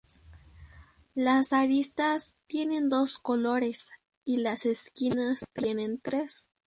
Las aristas tienen dos colores, y las esquinas tienen tres.